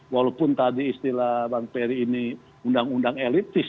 walaupun tadi istilah bang ferry ini undang undang elitis